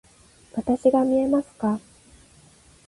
わたしが見えますか？